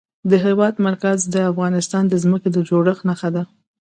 د هېواد مرکز د افغانستان د ځمکې د جوړښت نښه ده.